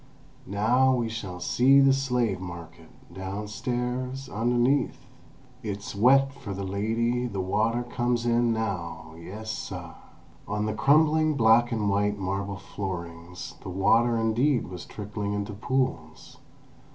"Now we shall see the slave market—downstairs, underneath! It's wet for the lady the water comes in now yes, suh!" On the crumbling black and white marble floorings the water indeed was trickling into pools.